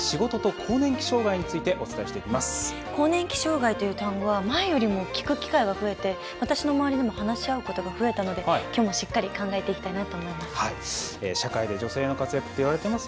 更年期障害という単語は前よりも聞く機会が増えて私の周りでも話し合うことが増えたのできょうも、しっかり考えていきたいなと思います。